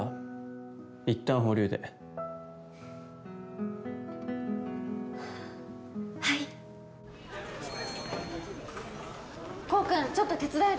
いったん保留ではい黄君ちょっと手伝える？